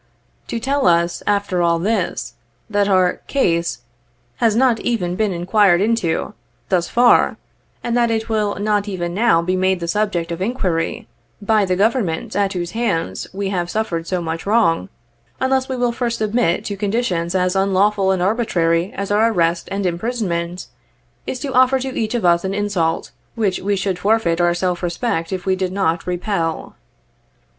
To tell us, after all this, that our ' case ' has not even been inquired into, thus far, aud that it will not even now be made the subject of inquiry, by the Government at whose hands we have suffered so much wrong, unless we will first submit to conditions as uri lawful and arbitrary as our arrest and imprisonment, is to offer to each of us an insult, which we should forfeit our self respect if we did not repel.